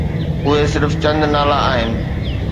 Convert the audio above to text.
اهي صرف چند نالا آهن.